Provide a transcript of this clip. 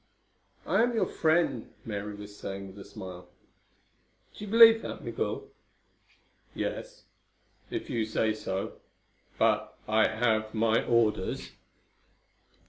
"I am your friend," Mary was saying with a smile. "Do you believe that, Migul?" "Yes. If you say so. But I have my orders."